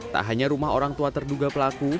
tak hanya rumah orang tua terduga pelaku